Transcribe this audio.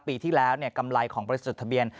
ปีที่แล้วกำไรของบริสุทธิ์ทะเบียน